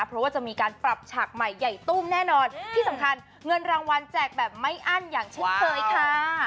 เพราะว่าจะมีการปรับฉากใหม่ใหญ่ตุ้มแน่นอนที่สำคัญเงินรางวัลแจกแบบไม่อั้นอย่างเช่นเคยค่ะ